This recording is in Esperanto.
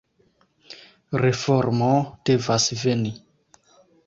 Reformo devas veni.